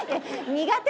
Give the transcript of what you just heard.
苦手。